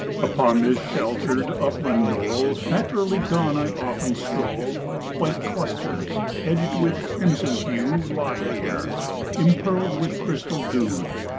Upon this sheltered, upland knoll, At early dawn I often stroll; White clusters edged with crimson hue Lie here, impearled with crystal dew.